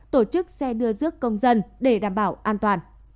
tổ chức xe đưa rước công dân để đảm bảo an toàn